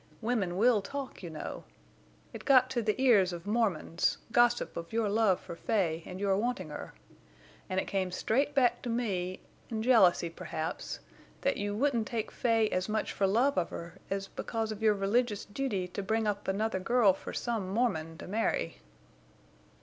Women will talk, you know. It got to the ears of Mormons—gossip of your love for Fay and your wanting her. And it came straight back to me, in jealousy, perhaps, that you wouldn't take Fay as much for love of her as because of your religious duty to bring up another girl for some Mormon to marry."